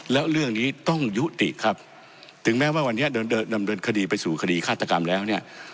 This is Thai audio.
แล้วเรื่องนี้ต้องยุติครับถึงแม้ว่าวันนี้ดำเนินคดีไปสู่คดีฆาตกรรมแล้วเนี่ย